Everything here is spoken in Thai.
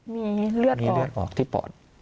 มีเลือดออกที่ปอด